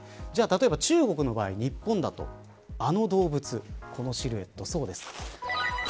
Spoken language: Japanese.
中国の場合、日本だとあの動物このシルエット、そうです。